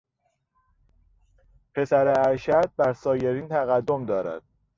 پسر ارشد بر سایرین تقدم دارد.